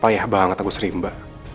paya banget aku serimba